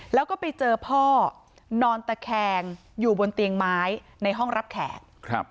แล้วก็ไปเจอพ่อนอนตะแคงอยู่บนเตียงไม้ในห้องรับแขก